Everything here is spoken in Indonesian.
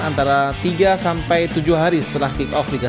antara tiga sampai tujuh hari setelah kick off liga satu